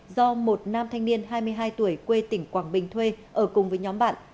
do một nam thanh niên hai mươi hai tuổi quê tỉnh quảng bình thuê ở cùng với nhóm bạn